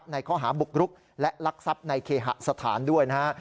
ในข้อหาบุกรุกและลักทรัพย์ในเคหสถานด้วยนะฮะ